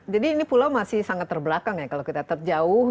jadi ini pulau masih sangat terbelakang ya kalau kita terjauh